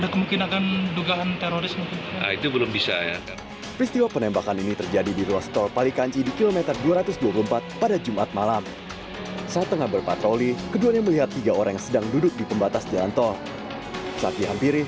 kondisi kedua korban cukup stabil dan masih sadar